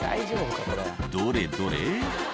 どれどれ？